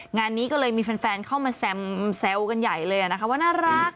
งานนี้ก็เลยมีแฟนเข้ามาแซวกันใหญ่เลยนะคะว่าน่ารัก